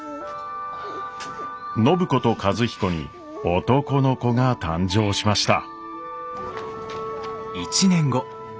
暢子と和彦に男の子が誕生しました。